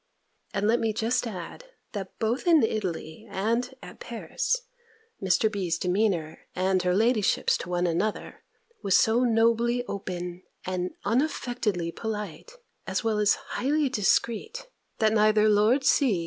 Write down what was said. And let me just add, that both in Italy and at Paris, Mr. B.'s demeanour and her ladyship's to one another, was so nobly open, and unaffectedly polite, as well as highly discreet, that neither Lord C.